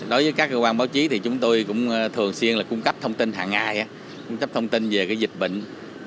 đối với các cơ quan báo chí chúng tôi cũng thường xuyên cung cấp thông tin hàng ngày về dịch bệnh